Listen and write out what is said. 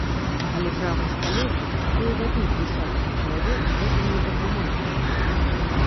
Але прагу скалечыць, а то і забіць дзясяткі чалавек гэтым не патлумачыш.